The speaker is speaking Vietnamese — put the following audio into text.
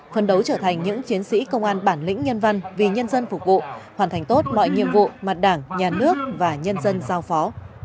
phân đấu trở thành những chiến sĩ công an bản lĩnh nhân văn vì nhân dân phục vụ hoàn thành tốt mọi nhiệm vụ mà đảng nhà nước và nhân dân giao phó